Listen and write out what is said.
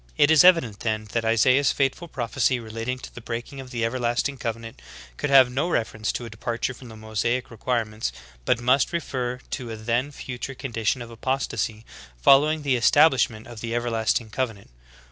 "^ 23. It is evident then that Isaiah's fateful prophecy re lating to the breaking of the everlasting covenant, could have no reference to a departure from the Mosaic require ments, but must refer to a then future condition of apostasy following the establishment of the everlasting covenant.